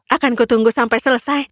akanku tunggu sampai selesai